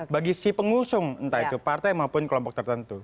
bagi si pengusung entah itu partai maupun kelompok tertentu